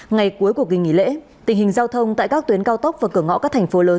ngày cuối của kỳ nghỉ lễ tình hình giao thông tại các tuyến cao tốc và cửa ngõ các thành phố lớn